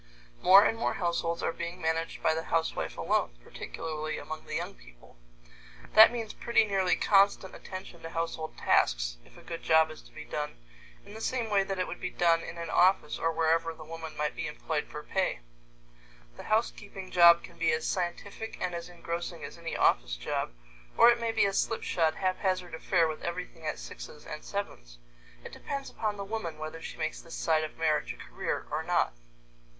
More and more households are being managed by the housewife alone, particularly among the young people. That means pretty nearly constant attention to household tasks, if a good job is to be done, in the same way that it would be done in an office or wherever the woman might be employed for pay. This housekeeping job can be as scientific and as engrossing as any office job, or it may be a slipshod, haphazard affair with everything at sixes and sevens. It all depends upon the woman whether she makes this side of marriage a career or not.